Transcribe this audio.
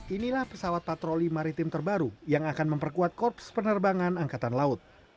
inilah pesawat patroli maritim terbaru yang akan memperkuat korps penerbangan angkatan laut